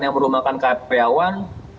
yang merumahkan karyawan